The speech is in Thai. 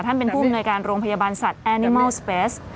ท่านเป็นผู้อำนวยการโรงพยาบาลสัตว์แอนิมอลสเปส